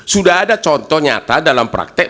sudah ada contoh nyata dalam praktek